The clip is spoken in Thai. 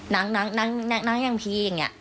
นั่งนั่งนั่งนั่งนั่งพี่อย่างเงี้ย